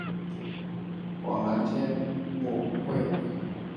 广南天料木为大风子科天料木属下的一个种。